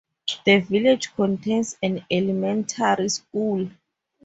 The village contains an elementary school.